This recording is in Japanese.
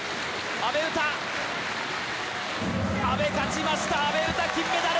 阿部勝ちました阿部詩金メダル！